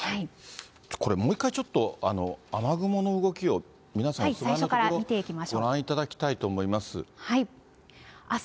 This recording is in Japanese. これ、もう一回ちょっと、雨雲の動きを皆さん、お住まいの所、ご覧いただきたいと思います。